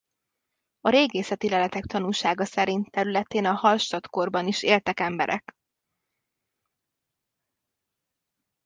A régészeti leletek tanúsága szerint területén a hallstatt-korban is éltek emberek.